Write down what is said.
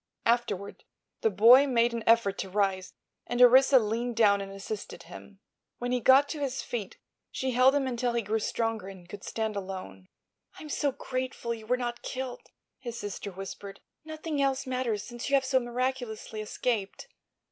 Afterward the boy made an effort to rise, and Orissa leaned down and assisted him. When he got to his feet she held him until he grew stronger and could stand alone. "I'm so grateful you were not killed," his sister whispered. "Nothing else matters since you have so miraculously escaped."